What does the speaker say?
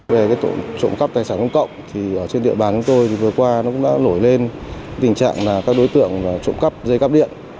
về tội trộm cắp tài sản công cộng trên địa bàn của tôi vừa qua cũng đã nổi lên tình trạng các đối tượng trộm cắp dây cắp điện